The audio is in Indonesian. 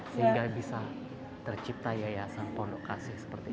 sehingga bisa tercipta yayasan pondok kasih seperti ini